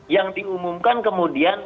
yang diumumkan kemudian